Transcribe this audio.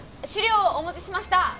資料をお持ちしました。